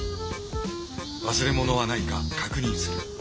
忘れ物はないか確認する。